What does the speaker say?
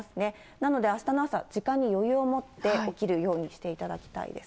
なのであしたの朝、時間に余裕をもって起きるようにしていただきたいです。